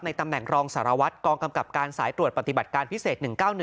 ตำแหน่งรองสารวัตรกองกำกับการสายตรวจปฏิบัติการพิเศษ๑๙๑